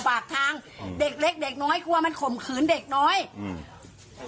ฝากทางอืมเด็กเล็กเด็กน้อยกลัวมันข่มขืนเด็กน้อยอืม